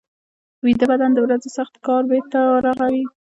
ویده بدن د ورځې سخت کار بېرته رغوي